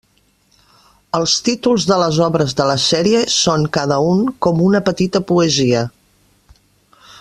Els títols de les obres de la sèrie són, cada un, com una petita poesia.